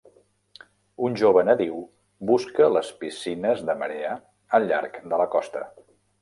Un jove nadiu busca les piscines de marea al llarg de la costa.